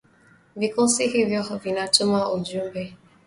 Vikosi hivyo vinatuma ujumbe